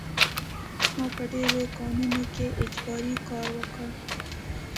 ما په ډېرو کانونو کې اجباري کار وکړ